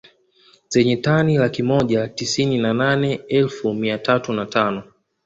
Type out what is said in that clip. Zenye tani laki moja tisini na nane elfu mia tatu na tano